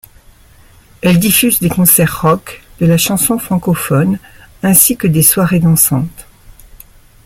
Elle diffuse des concerts rock, de la chanson francophone ainsi que des soirées dansantes.